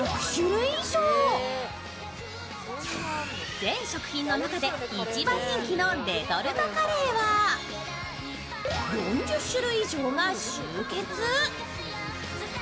全食品の中で一番人気のレトルトカレーは４０種類以上が集結。